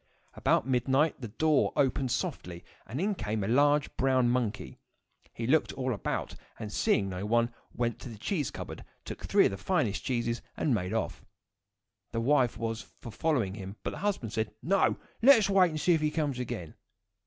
About midnight the door opened softly, and in came a large brown monkey. He looked all about, and seeing no one, he went to the cheese cupboard, took three of the finest cheeses, and made off. The wife was for following him, but the husband said, "No! let us wait and see if he comes again."